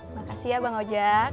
makasih ya bang mojak